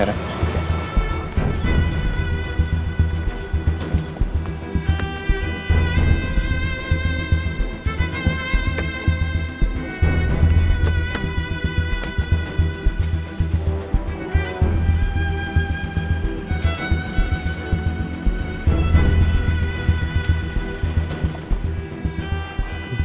barusan al nelfon